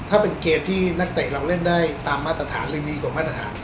ถ้าเป็นเกมที่นักเตะเราเล่นได้ตามมาตรฐานหรือดีกว่ามาตรฐาน